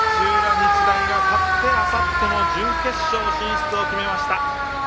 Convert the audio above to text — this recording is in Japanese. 日大が勝って、あさっての準決勝進出を決めました。